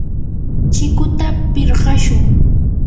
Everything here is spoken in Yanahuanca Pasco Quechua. chikuta pirqashun.